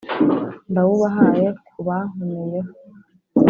ndawubahaye ku bankomeyeho,